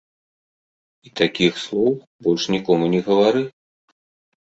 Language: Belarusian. І такіх слоў больш нікому не гавары.